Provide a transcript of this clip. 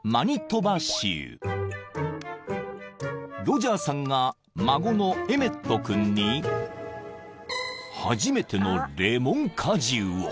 ［ロジャーさんが孫のエメット君に初めてのレモン果汁を］